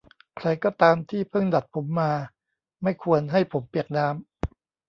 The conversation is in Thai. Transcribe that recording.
ใครก็ตามที่เพิ่งดัดผมมาไม่ควรให้ผมเปียกน้ำ